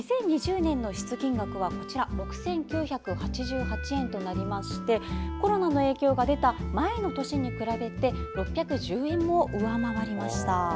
２０２０年の支出金額は６９８８円となりましてコロナの影響が出た前の年に比べて６１０円も上回りました。